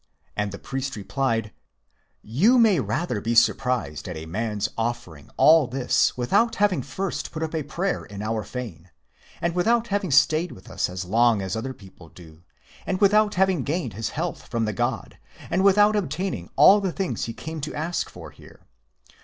And the priest CHAP. q replied: " You may rather be surprised at. a man's _ offering all this without having first put up a prayer in our fane, and without having stayed with us as _ long as other people do, and without having gained his health from the god, and without obtaining all the things he came to ask for here.